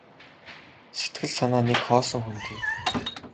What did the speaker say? Сэтгэл санаа нь нэг хоосон хөндий.